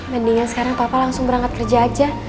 mendingan sekarang papa langsung berangkat kerja aja